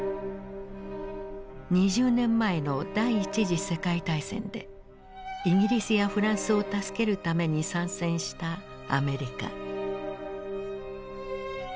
２０年前の第一次世界大戦でイギリスやフランスを助けるために参戦したアメリカ。